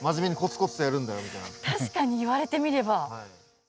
確かに言われてみれば。